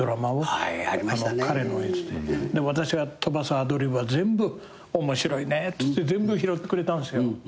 で私が飛ばすアドリブは全部「面白いね」って全部拾ってくれたんですよ。